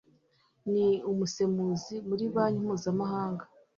Ni umusemuzi muri banki mpuzamahanga.